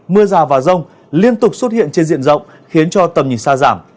mưa rào và rông liên tục xuất hiện trên diện rộng khiến cho tầm nhìn xa giảm